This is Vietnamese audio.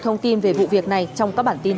thông tin về vụ việc này trong các bản tin